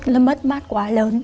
nó mất mắt quá lớn